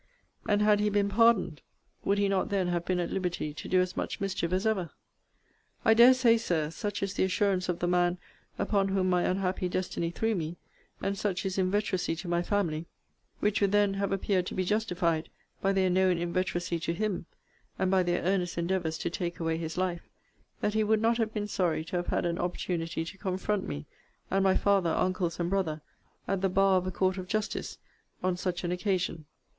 And had he been pardoned, would he not then have been at liberty to do as much mischief as ever? I dare say, Sir, such is the assurance of the man upon whom my unhappy destiny threw me; and such his inveteracy to my family, (which would then have appeared to be justified by their known inveteracy to him, and by their earnest endeavours to take away his life;) that he would not have been sorry to have had an opportunity to confront me, and my father, uncles, and brother, at the bar of a court of justice, on such an occasion.